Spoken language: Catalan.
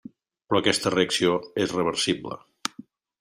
Però aquesta reacció és reversible.